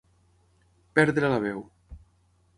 Perdre la veu.